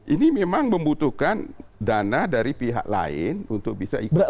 ini memang membutuhkan dana dari pihak lain untuk bisa ikut